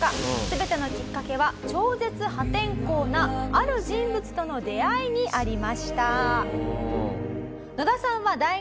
全てのきっかけは超絶破天荒なある人物との出会いにありました。